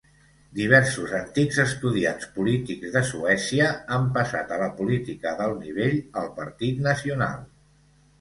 Diversos antics estudiants polítics de Suècia han passat a la política d'alt nivell al partit nacional.